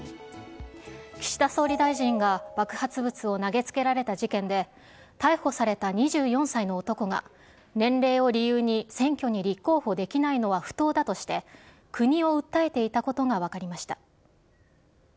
岸田総理大臣が爆発物を投げつけられた事件で、逮捕された２４歳の男が、年齢を理由に選挙に立候補できないのは不当だとして、国を訴えていたことが分かりました。